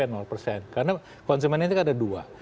karena konsumen ini ada dua